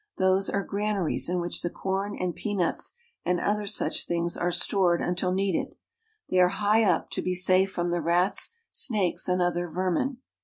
Those are granaries in which the corn and peanuts and other such things are stored LIFE UPON THE KONGO 239 until needed. They are high up ; to be safe from the rats, snakes, and other vermin.